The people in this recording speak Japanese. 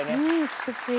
美しい。